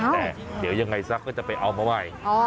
แต่เดี๋ยวยังไงซักก็จะไปเอามาใหม่